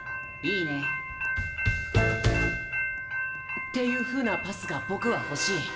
いいね。っていうふうなパスが僕は欲しい。